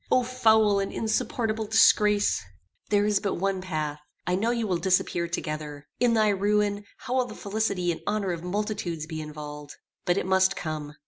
O foul and insupportable disgrace! "There is but one path. I know you will disappear together. In thy ruin, how will the felicity and honor of multitudes be involved! But it must come.